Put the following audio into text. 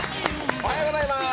おはようございます。